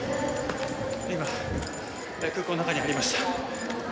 空港の中に入りました。